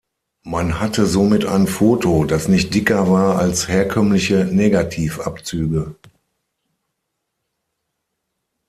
Man hatte somit ein Foto, das nicht dicker war als herkömmliche Negativ-Abzüge.